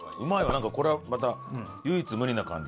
なんかこれはまた唯一無二な感じ。